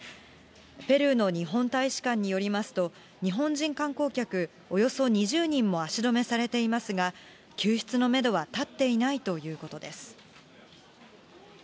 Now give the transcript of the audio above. ペルーの日本大使館によりますと、日本人観光客およそ２０人も足止めされていますが、救出のメドは立っていないということです。